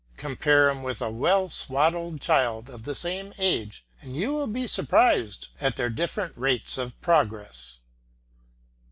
Compare him with a well swaddled child of the same age and you will be surprised at their different rates of progress.